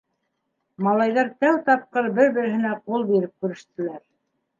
Малайҙар тәү тапҡыр бер-береһенә ҡул биреп күрештеләр.